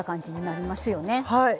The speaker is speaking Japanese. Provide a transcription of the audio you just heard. はい。